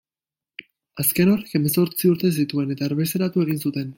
Azken horrek hemezortzi urte zituen, eta erbesteratu egin zuten.